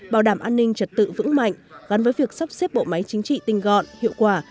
bảo đảm an ninh trật tự vững mạnh gắn với việc sắp xếp bộ máy chính trị tinh gọn hiệu quả